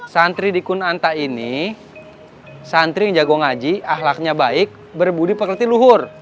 santri di kunanta ini santri yang jago ngaji ahlaknya baik berbudi pekerti luhur